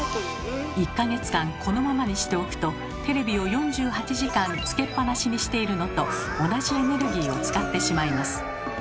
１か月間このままにしておくとテレビを４８時間つけっぱなしにしているのと同じエネルギーを使ってしまいます。